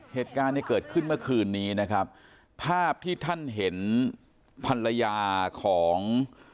เหตุการณ์เนี่ยเกิดขึ้นเมื่อคืนนี้นะครับภาพที่ท่านเห็นภรรยาของ